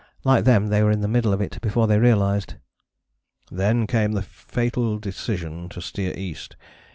Like them they were in the middle of it before they realized. "Then came the fatal decision to steer east.